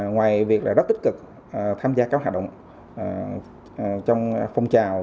ngoài việc rất tích cực tham gia các hoạt động trong phong trào